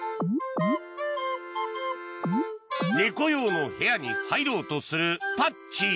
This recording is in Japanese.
猫用の部屋に入ろうとするパッチ。